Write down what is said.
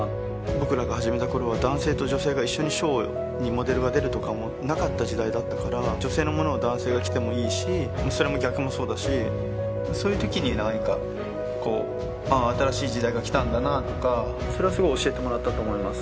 僕らが始めた頃は男性と女性が一緒にショーにモデルが出るとかもなかった時代だったから女性のものを男性が着ても良いしそれも逆もそうだしそういうときに何かこう新しい時代が来たんだなぁとかそれはすごい教えてもらったと思います